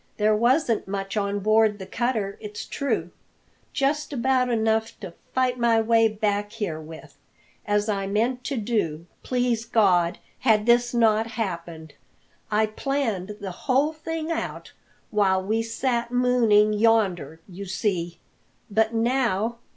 There wasn't much on board the cutter, it's true; just about enough to fight my way back here with as I meant to do, please God, had this not happened. I planned the whole thing out while we sat mooning yonder, you see. But now!"